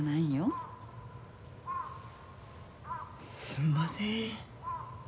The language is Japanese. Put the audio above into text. すんません。